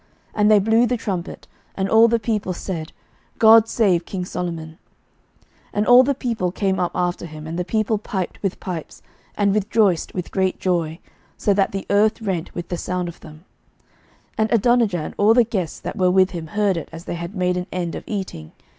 And they blew the trumpet; and all the people said, God save king Solomon. 11:001:040 And all the people came up after him, and the people piped with pipes, and rejoiced with great joy, so that the earth rent with the sound of them. 11:001:041 And Adonijah and all the guests that were with him heard it as they had made an end of eating.